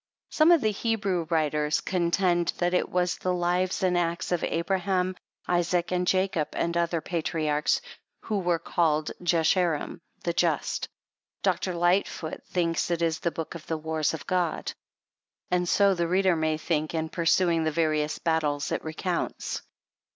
Some of the Hebrew writers contend that it was the lives and acts of Abraham, Isaac, and Jacob, and other patriarchs, who were called Jasherim, the Just. Dr. Lightfoot thinks it is the Book of the Wars of God, and so the reader may think in perusing the various battles it recounts.